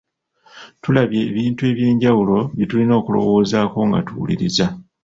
Tulabye ebintu eby’enjawulo bye tulina okulowoozaako nga tuwuliriza.